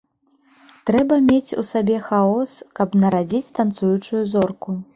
Трэба мець у сабе хаос, каб нарадзіць танцуючую зорку.